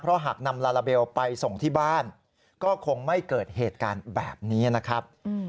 หากนำลาลาเบลไปส่งที่บ้านก็คงไม่เกิดเหตุการณ์แบบนี้นะครับ